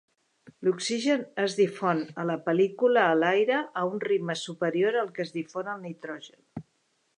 L'oxigen es difon a la pel·lícula a l'aire a un ritme superior al que es difon el nitrogen.